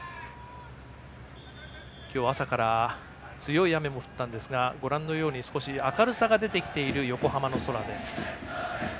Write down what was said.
今日は朝から強い雨も降ったんですがご覧のように少し明るさが出てきている横浜の空です。